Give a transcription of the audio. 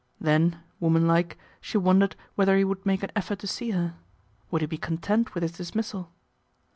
Then, woman like, she wondered whether he would make an effort to see her. Would he be content with his dismissal